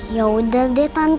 yaudah deh tante